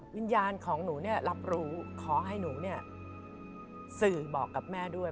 วิญญาณของหนูรับรู้ขอให้หนูสื่อบอกกับแม่ด้วย